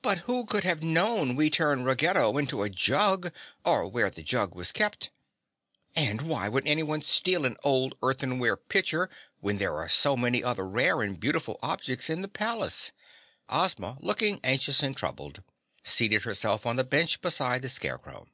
"But who could have known we turned Ruggedo into a jug, or where the jug was kept? And why would anyone steal an old earthenware pitcher when there are so many other rare and beautiful objects in the palace?" Ozma, looking anxious and troubled, seated herself on the bench beside the Scarecrow.